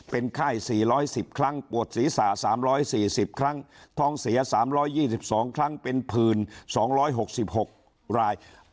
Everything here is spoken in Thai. เป็นไข้๔๑๐ครั้งปวดศีรษะ๓๔๐ครั้งท้องเสีย๓๒๒ครั้งเป็น๑๒๖๖ราย